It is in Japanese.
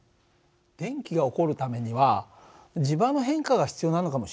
電気が起こるためには磁場の変化が必要なのかもしれないね。